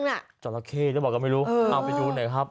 จังหล่ะเครดเลยบอกก็ไม่รู้ไปดูหน่อยครับ